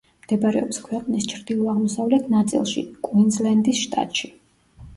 მდებარეობს ქვეყნის ჩრდილო-აღმოსავლეთ ნაწილში, კუინზლენდის შტატში.